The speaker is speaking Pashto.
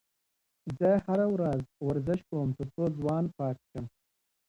زه هره ورځ ورزش کوم تر څو ځوان پاتې شم.